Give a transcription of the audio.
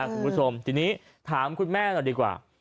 คุณผู้ชมทีนี้ถามคุณแม่หน่อยดีกว่า